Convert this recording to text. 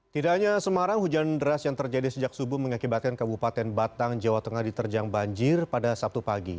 tidak hanya semarang hujan deras yang terjadi sejak subuh mengakibatkan kabupaten batang jawa tengah diterjang banjir pada sabtu pagi